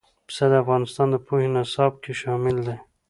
پسه د افغانستان د پوهنې نصاب کې شامل دي.